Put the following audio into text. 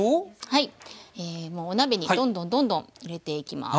はいもうお鍋にどんどんどんどん入れていきます。